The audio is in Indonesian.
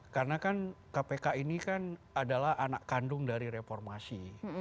karena kan kpk ini kan adalah anak kandung dari reformasi